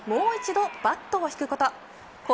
もう１度バットを引くこと。